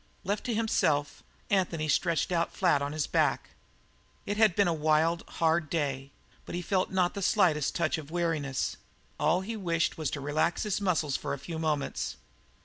Left to himself, Anthony stretched out flat on his back. It had been a wild, hard day, but he felt not the slightest touch of weariness; all he wished was to relax his muscles for a few moments.